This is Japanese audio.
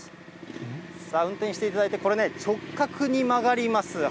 さあ、運転していただいて、これね、直角に曲がります。